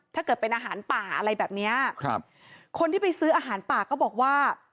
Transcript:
ถ้าเกิดเป็นอาหารป่าอะไรแบบเนี้ยครับคนที่ไปซื้ออาหารป่าก็บอกว่า